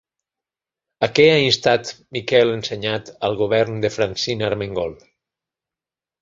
A què ha instat Miquel Ensenyat al govern de Francina Armengol?